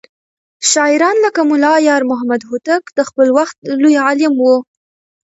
شاعران لکه ملا يارمحمد هوتک د خپل وخت لوى عالم و.